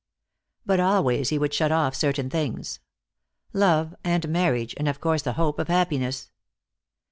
But always he would shut off certain things. Love, and marriage, and of course the hope of happiness.